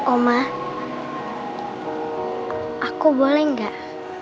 oma aku boleh gak